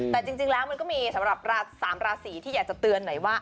แต่จริงแล้วมันก็มีสำหรับ๓ราศีที่อยากจะเตือนหน่อยว่า